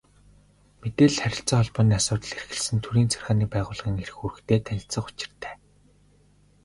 Мэдээлэл, харилцаа холбооны асуудал эрхэлсэн төрийн захиргааны байгууллагын эрх үүрэгтэй танилцах учиртай.